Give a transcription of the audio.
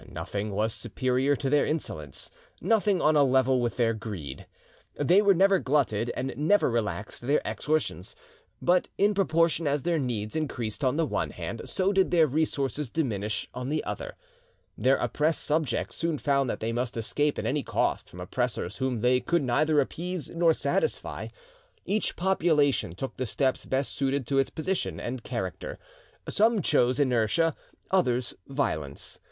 Nothing was superior to their insolence, nothing on a level with their greed. They were never glutted, and never relaxed their extortions. But in proportion as their needs increased on the one hand, so did their resources diminish on the other. Their oppressed subjects soon found that they must escape at any cost from oppressors whom they could neither appease nor satisfy. Each population took the steps best suited to its position and character; some chose inertia, others violence.